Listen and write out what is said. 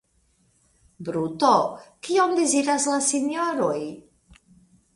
Bruto, kion deziras la sinjoroj?